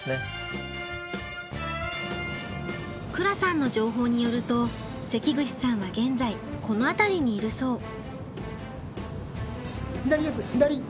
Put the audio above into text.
鞍さんの情報によると関口さんは現在この辺りにいるそう。